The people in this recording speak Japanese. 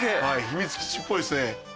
秘密基地っぽいですね。